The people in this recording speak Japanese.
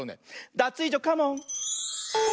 ダツイージョカモン！